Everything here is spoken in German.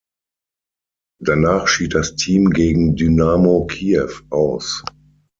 Danach schied das Team gegen Dynamo Kiew aus.